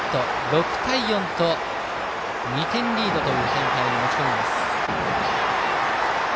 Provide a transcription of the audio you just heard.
６対４と２点リードという展開に持ち込みます。